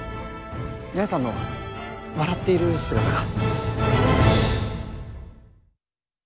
八重さんの笑っている姿が。